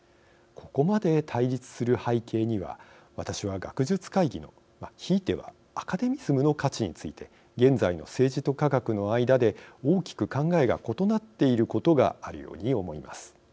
ここまで対立する背景には私は学術会議の、ひいてはアカデミズムの価値について現在の政治と科学の間で大きく考えが異なっていることがあるように思います。